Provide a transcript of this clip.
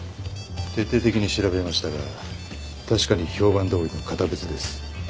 徹底的に調べましたが確かに評判どおりの堅物です。